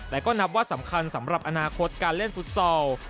และก็นับว่าสำคัญสำหรับอนาคตการเล่นฟุตซอล